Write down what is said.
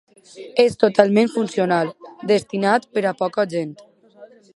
És totalment funcional, destinat per a poca gent.